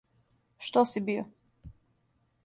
Што си био?